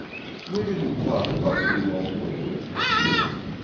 "We didn't talk about you only."